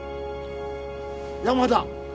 山田。